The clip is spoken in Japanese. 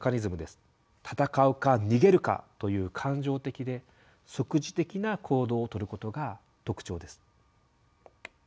「戦うか逃げるか」という感情的で即時的な行動をとることが特徴です。